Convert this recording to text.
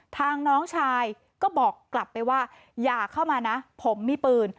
น้องชายก็บอกกลับไปว่าอย่าเข้ามานะผมมีปืน